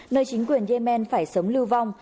nơi chính quyền yemen phải sớm lưu vong